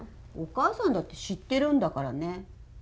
お母さんだって知ってるんだからね。